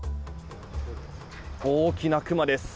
大きなクマです。